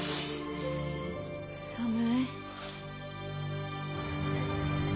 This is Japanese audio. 寒い。